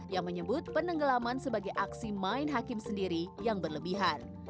yang menyebut penenggelaman sebagai aksi main hakim sendiri yang berlebihan